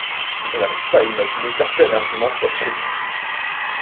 Je n’arrive pas à imaginer qu’un tel argument soit crédible.